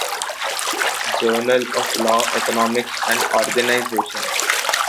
Journal of Law, Economics, and Organization.